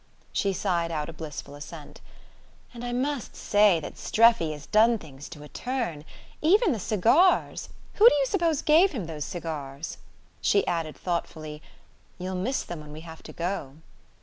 She sighed out a blissful assent. "And I must say that Streffy has done things to a turn. Even the cigars who do you suppose gave him those cigars?" She added thoughtfully: "You'll miss them when we have to go."